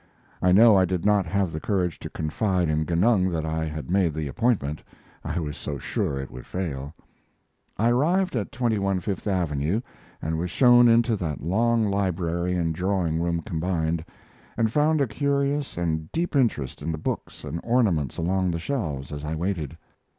I know I did not have the courage to confide in Genung that I had made the appointment I was so sure it would fail. I arrived at 21 Fifth Avenue and was shown into that long library and drawing room combined, and found a curious and deep interest in the books and ornaments along the shelves as I waited.